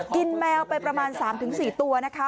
แมวไปประมาณ๓๔ตัวนะคะ